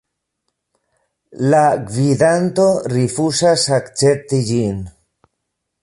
La gvidanto rifuzas akcepti ĝin.